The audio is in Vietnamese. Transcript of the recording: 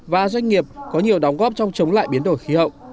và doanh nghiệp có nhiều đóng góp trong chống lại biến đổi khí hậu